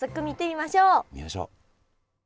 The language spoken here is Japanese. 見ましょう。